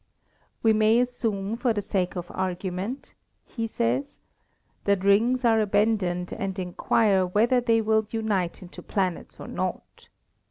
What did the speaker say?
"We may assume for the sake of argument," he says, "that rings are abandoned and inquire whether they will unite into planets or not.